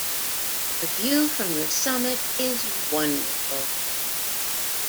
The view from the summit is wonderful.